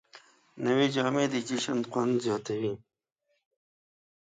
نوې جامې د جشن خوند زیاتوي